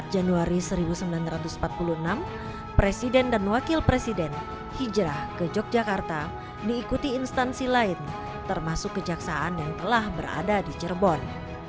empat januari seribu sembilan ratus empat puluh enam presiden dan wakil presiden hijrah ke yogyakarta diikuti instansi lain termasuk kejaksaan yang telah berada di cirebon